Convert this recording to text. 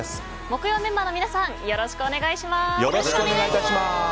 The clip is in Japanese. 木曜メンバーの皆さんよろしくお願いします。